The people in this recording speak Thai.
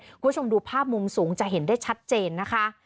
คุณผู้ชมดูภาพมุมสูงจะเห็นได้ชัดเจนนะคะ